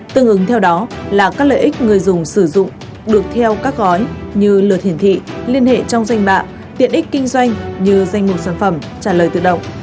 tương ứng theo đó là các lợi ích người dùng sử dụng được theo các gói như lượt hiển thị liên hệ trong danh bạ tiện ích kinh doanh như danh mục sản phẩm trả lời tự động